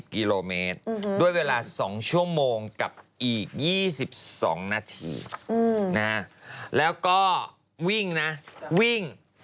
กินแล้วแน่นานงั้น๒๐เหลียวนาน๒ชั่วโมง